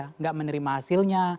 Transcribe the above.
tidak menerima hasilnya